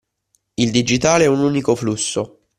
Il digitale è un unico flusso